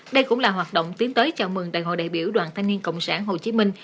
đây cũng là hoạt động tiến tới chào mừng đại hội đại biểu đoàn thanh niên cộng sản hồ chí minh